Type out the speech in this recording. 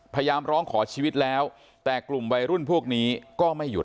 พยายามร้องขอชีวิตแล้วแต่กลุ่มวัยรุ่นพวกนี้ก็ไม่หยุด